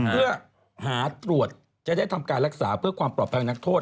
เพื่อหาตรวจจะได้ทำการรักษาเพื่อความปลอดภัยนักโทษ